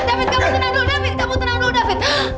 david kamu senang dulu david kamu tenang dulu david